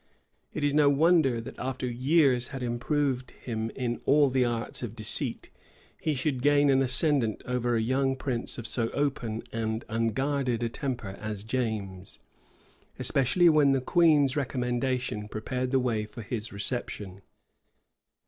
It is no wonder that, after years had improved him in all the arts of deceit, he should gain an ascendant over a young prince of so open and unguarded a temper as James; especially when the queen's recommendation prepared the way for his reception.